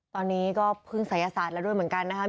ตอนนี้ก็พึ่งศัยศาสตร์แล้วด้วยเหมือนกันนะครับ